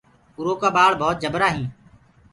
اُرو ڪآ ٻآݪ ڀوت جبرآ هينٚ۔